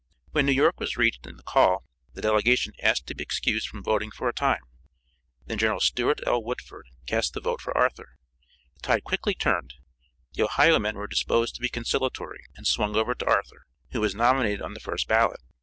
When New York was reached in the call the delegation asked to be excused from voting for a time. Then General Stewart L. Woodford cast the vote for Arthur. The tide quickly turned. The Ohio men were disposed to be conciliatory, and swung over to Arthur, who was nominated on the first ballot.